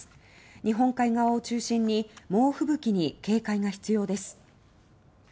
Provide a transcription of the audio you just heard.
日本海側を中心に猛吹雪に警戒が必要です。